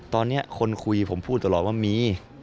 ตอนนี้คนคุยผมพูดตลอดว่ามี